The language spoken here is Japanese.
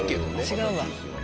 違うわ。